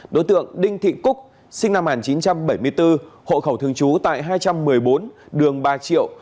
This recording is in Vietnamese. đối tượng đinh thị cúc sinh năm một nghìn chín trăm bảy mươi bốn hộ khẩu thường trú tại hai trăm một mươi bốn đường ba triệu